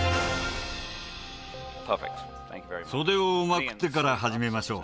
袖をまくってから始めましょう。